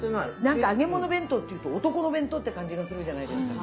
なんか揚げ物弁当っていうと男の弁当っていう感じがするじゃないですか。